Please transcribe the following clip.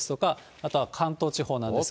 あとは関東地方なんですが。